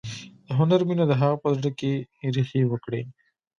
د هنر مینه د هغه په زړه کې ریښې وکړې